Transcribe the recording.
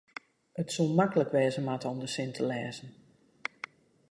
it soe maklik wêze moatte om de sin te lêzen